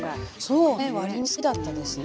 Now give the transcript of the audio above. そうね割に好きだったですね。